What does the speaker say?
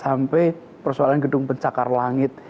sampai persoalan gedung pencakar langit